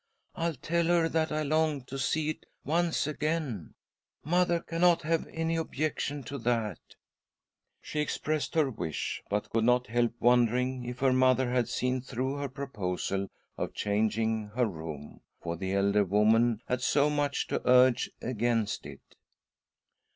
" I'll tell her that I long to see it once agaim Mother cannot have any objection to that." J >..,._ j 'I •'....''.' i " SISTER EDITH PLEADS WITH DEATH 105 She expressed her wish, but could not help wondering if her mother had seen through her proposal of changing her room, for the elder woman had so much to urge against it.